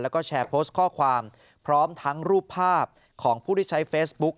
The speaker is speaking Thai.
แล้วก็แชร์โพสต์ข้อความพร้อมทั้งรูปภาพของผู้ที่ใช้เฟซบุ๊ก